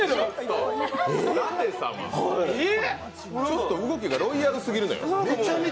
舘様、ちょっと動きがロイヤル過ぎるのよ。